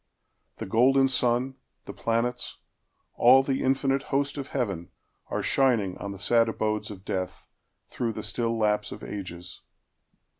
The golden sun, The planets, all the infinite host of heaven, Are shining on the sad abodes of death, Through the still lapse of ages.